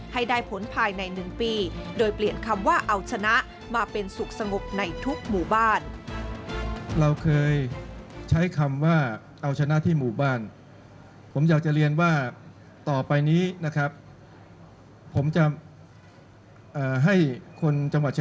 ให้ได้ผลภายใน๑ปีโดยเปลี่ยนคำว่าเอาชนะมาเป็นสุขสงบในทุกหมู่บ้าน